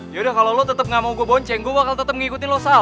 yaudah kalo lo tetep gak mau gue bonceng gue bakal tetep ngikutin lo sal